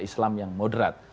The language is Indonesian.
islam yang moderat